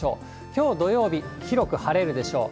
きょう土曜日、広く晴れるでしょう。